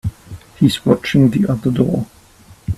He's watching the other door.